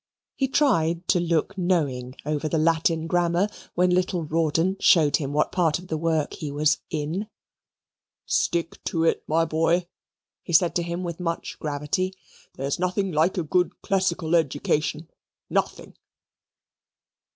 He tried to look knowing over the Latin grammar when little Rawdon showed him what part of that work he was "in." "Stick to it, my boy," he said to him with much gravity, "there's nothing like a good classical education! Nothing!"